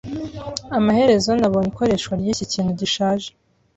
Amaherezo nabonye ikoreshwa ryiki kintu gishaje.